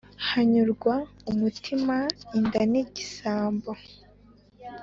hanyurwa umutima inda ni igisambo